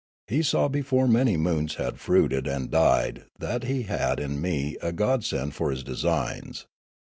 He saw before manj' moons had fruited and died that he had in me a godsend for his designs.